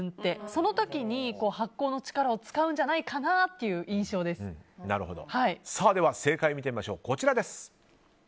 その時に発酵の力を使うんじゃないかなというでは正解はこちらです。